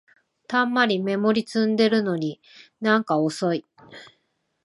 たんまりメモリ積んでるのになんか遅い